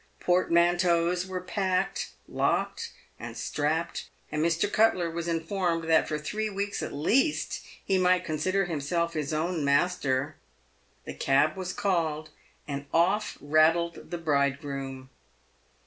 Portmanteaus were packed, locked, and strapped, and Mr. Cutler w^as informed that for three weeks at least he might consider himself his own master. The cab was called, and off rattled the bridegroom.